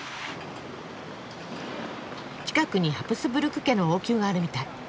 近くにハプスブルク家の王宮があるみたい。